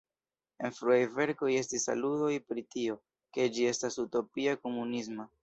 En fruaj verkoj estis aludoj pri tio, ke ĝi estas utopia-komunisma.